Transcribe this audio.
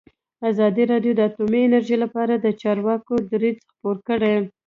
ازادي راډیو د اټومي انرژي لپاره د چارواکو دریځ خپور کړی.